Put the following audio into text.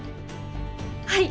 はい。